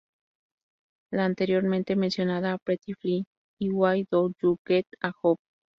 La anteriormente mencionada "Pretty Fly" y "Why Don't You Get A Job?